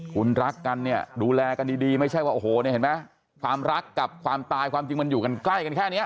คุณรักกันดูแลกันดีไม่ใช่ว่าความรักกับความตายมันอยู่ใกล้กันแค่นี้